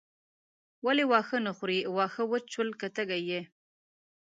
ولې واښه نه خورې واښه وچ شول که تږې یې.